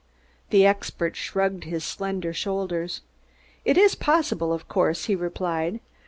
The expert shrugged his slender shoulders. "It is possible, of course," he replied.